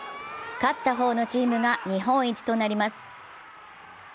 勝った方のチームが日本一となります。